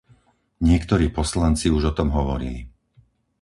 Niektorí poslanci už o tom hovorili.